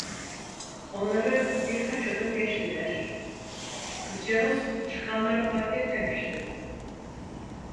Onları birkaç adım geçtiler, kızcağız çıkanları fark etmemişti.